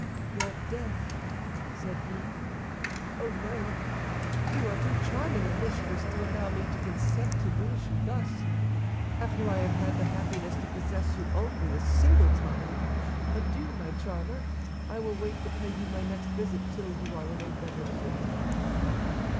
"'Your death?' said he; 'oh, no, you are too charming a mistress to allow me to consent to lose you thus, after I have had the happiness to possess you only a single time. Adieu, my charmer; I will wait to pay you my next visit till you are in a better humor.